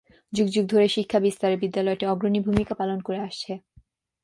যুগ যুগ ধরে শিক্ষা বিস্তারে বিদ্যালয়টি অগ্রণী ভূমিকা পালন করে আসছে।